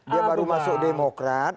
dia baru masuk demokrat